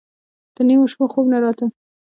تر نيمو شپو خوب نه راته.